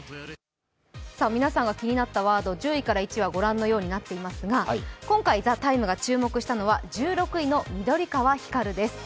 皆さんが気になったワード、１０位から６位はこのようになっていますが今回「ＴＨＥＴＩＭＥ，」が注目したのが１６位の緑川光です。